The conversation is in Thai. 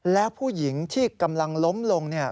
แล้วผู้หญิงที่กำลังล้มลง